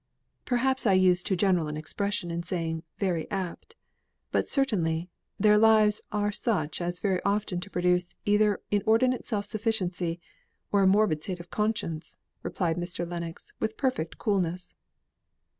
"Perhaps I used too general an expression in saying 'very apt.' But certainly, their lives are such as very often to produce either inordinate self sufficiency, or a morbid state of conscience," replied Mr. Lennox with perfect coolness.